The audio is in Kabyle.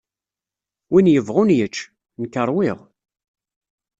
Win yebɣun yečč. Nekk ṛwiɣ.